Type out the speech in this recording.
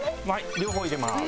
両方入れます。